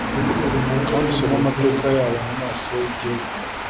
Kandi usome amateka yabo mumaso yigihugu,